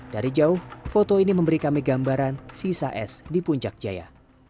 dari jauh foto ini memberi kami gambaran sisa es di puncak jaya